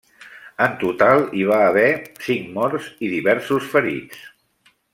En total, hi va haver cinc morts i diversos ferits.